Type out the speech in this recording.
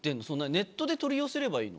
ネットで取り寄せればいいの？